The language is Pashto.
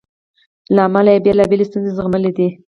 له امله یې بېلابېلې ستونزې زغملې دي.